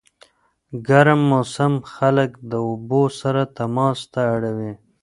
ګرم موسم خلک د اوبو سره تماس ته اړوي.